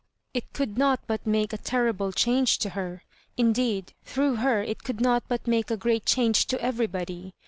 It could not but make a terrible .change to her — ^indeed, through her it could not but make a great change to everybody.